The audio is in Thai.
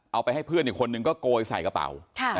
ไปให้เพื่อนอีกคนนึงก็โกยใส่กระเป๋า